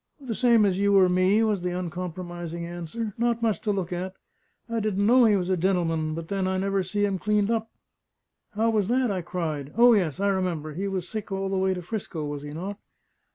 "The same as you or me," was the uncompromising answer: "not much to look at. I didn't know he was a gen'lem'n; but then, I never see him cleaned up." "How was that?" I cried. "O yes, I remember: he was sick all the way to 'Frisco, was he not?"